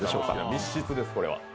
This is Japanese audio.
密室です、これは。